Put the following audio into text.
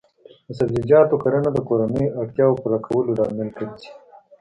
د سبزیجاتو کرنه د کورنیو اړتیاوو پوره کولو لامل ګرځي.